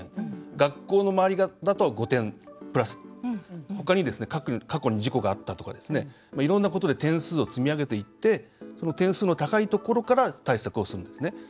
学校の周りだと５点プラスほかにも過去に事故があったとかいろんなことで点数を積み上げて点数の高いところから対策をするんですね。